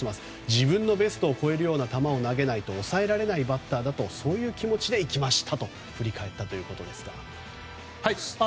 自分のベストを超えるような球を投げないと抑えられないバッターだとそういう気持ちでいきましたと振り返ったということです。